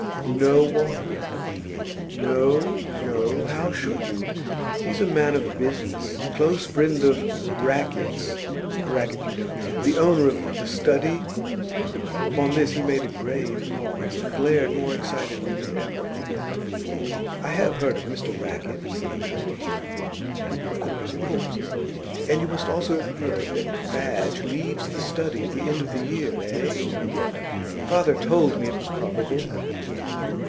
You know Walker? No, no; how should you? He's a man of business; close friend of Rackett's Rackett, you know, the owner of The Study.' Upon this he made a grave pause, and glared more excitedly than ever. 'I have heard of Mr Rackett,' said Marian. 'Of course, of course. And you must also have heard that Fadge leaves The Study at the end of this year, eh?' 'Father told me it was probable.